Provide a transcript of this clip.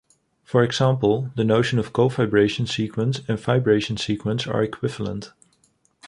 For example, the notion of cofibration sequence and fibration sequence are equivalent.